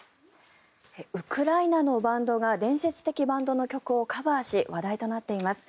ウクライナのバンドが伝説的バンドの曲をカバーし話題となっています。